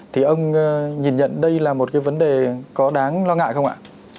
thì ông nhìn nhận đây là một cái vấn đề có đáng lo ngại không ạ